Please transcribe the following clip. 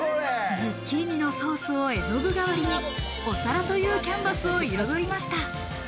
ズッキーニのソースを絵の具代わりにお皿というキャンバスを彩りました。